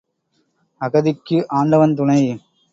அகதிக்கு ஆண்டவன் துணை.